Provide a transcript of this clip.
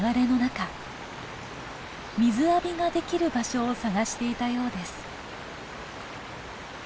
水浴びができる場所を探していたようです。